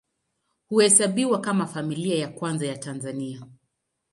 Huhesabiwa kama Familia ya Kwanza ya Tanzania.